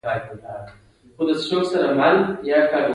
بزګر پسرلی خوښوي